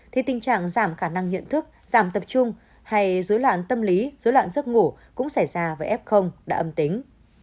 thì tình trạng giảm khả năng nhận thức giảm tập trung hay dối loạn tâm lý dối loạn giấc ngủ cũng xảy ra với f đã âm tính